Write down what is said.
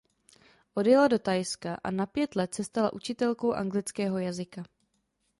Odjela do Thajska a na pět let se stala učitelkou anglického jazyka.